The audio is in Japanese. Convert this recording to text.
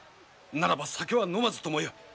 ならば酒は飲まずともよい。